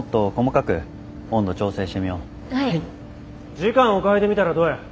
時間を変えてみたらどや。